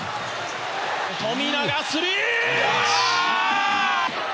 富永、スリー！